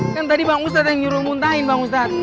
kan tadi pak ustadz yang nyuruh muntahin pak ustadz